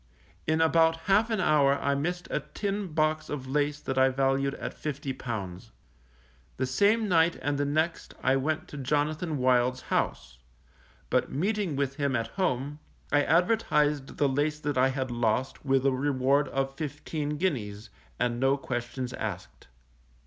In about half an hour I missed a tin box of lace that I valued at £50. The same night and the next I went to Jonathan Wild's house; but meeting with him at home, I advertised the lace that I had lost with a reward of fifteen guineas, and no questions asked.